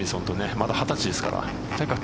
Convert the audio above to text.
まだ２０歳ですから。